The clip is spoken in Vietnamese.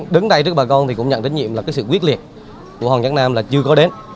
đứng đây trước bà con thì cũng nhận tín nhiệm là sự quyết liệt của hoàng nhất nam là chưa có đến